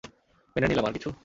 মেনে নিলাম, আর কিছু?